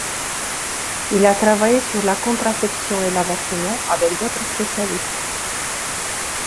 Il a travaillé sur la contraception et l'avortement avec d'autres spécialistes.